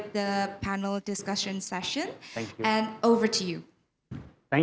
terima kasih tuan tuan dan perempuan